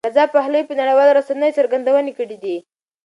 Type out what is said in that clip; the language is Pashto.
رضا پهلوي په نړیوالو رسنیو څرګندونې کړې دي.